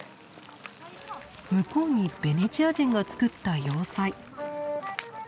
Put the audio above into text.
向こうにベネチア人が造った要塞。